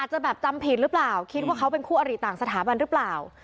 จะแบบจำผิดหรือเปล่าคิดว่าเขาเป็นคู่อริต่างสถาบันหรือเปล่า